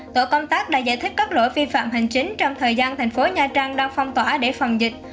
tổ công tác đã giải thích các lỗi vi phạm hành chính trong thời gian thành phố nha trang đang phong tỏa để phòng dịch